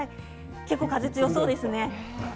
結構、風が強そうですね。